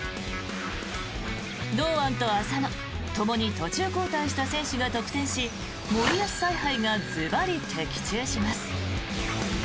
堂安と浅野ともに途中交代した選手が得点し森保采配がズバリ的中します。